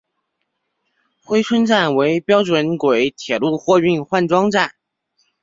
珲春站为宽准轨铁路货运换装站。